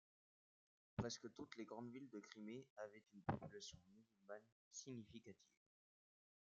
Presque toutes les grandes villes de Crimée avaient une population musulmane significative.